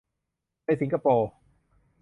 ในสิงคโปร์